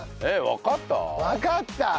わかった！